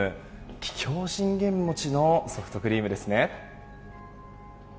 桔梗信玄餅のソフトクリームですね。